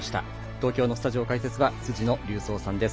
東京のスタジオ解説は辻野隆三さんです。